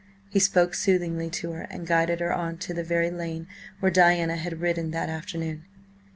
He spoke soothingly to her and guided her on to the very lane where Diana had ridden that afternoon.